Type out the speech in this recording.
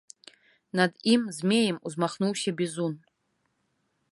Над ім змеем узмахнуўся бізун.